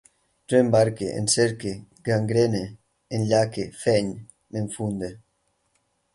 Jo embarque, encerque, gangrene, enllaque, feny, m'enfunde